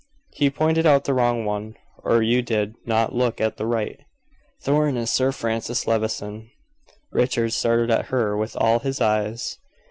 He pointed out the wrong one, or you did not look at the right. Thorn is Sir Francis Levison." Richard stared at her with all his eyes.